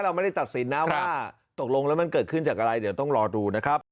เราไม่ได้ตัดสินนะว่าตกลงแล้วมันเกิดขึ้นจากอะไรเดี๋ยวต้องรอดูนะครับ